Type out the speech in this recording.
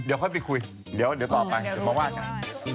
เดี๋ยวค่อยไปคุยเดี๋ยวต่อไปเดี๋ยวมาว่ากัน